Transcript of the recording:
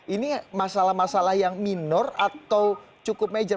ini masalah masalah yang minor atau cukup major